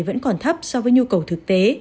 vẫn còn thấp so với nhu cầu thực tế